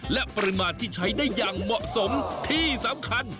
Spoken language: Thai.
และปริมาณที่ใช้ได้อย่างเหมาะสมที่สำคัญ